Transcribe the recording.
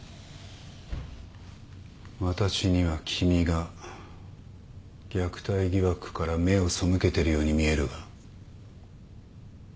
私には君が虐待疑惑から目を背けてるように見えるが。